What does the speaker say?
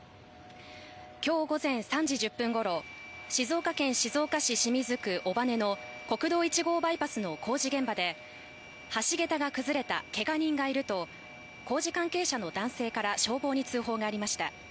今日午前３時１０分ごろ、静岡県静岡市清水区尾羽の国道１号バイパスの工事現場で橋桁が崩れた、けが人がいると工事関係者の男性から消防に通報がありました。